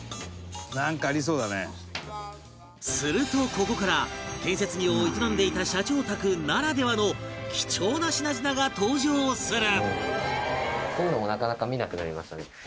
すると、ここから建設業を営んでいた社長宅ならではの貴重な品々が登場する隆貴君：こういうのもなかなか見なくなりましたね。